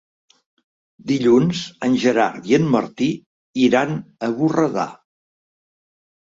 Dilluns en Gerard i en Martí iran a Borredà.